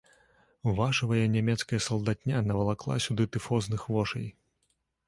Вашывая нямецкая салдатня навалакла сюды тыфозных вошай.